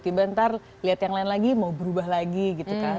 tiba ntar lihat yang lain lagi mau berubah lagi gitu kan